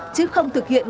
chứ không thực hiện